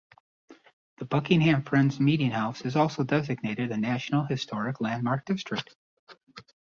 The Buckingham Friends Meeting House is also designated a National Historic Landmark District.